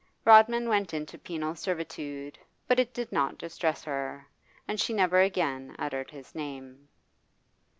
Rodman went into penal servitude, but it did not distress her, and she never again uttered his name.